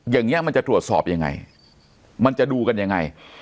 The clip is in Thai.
อย่างนี้มันจะตรวจสอบยังไงมันจะดูกันยังไง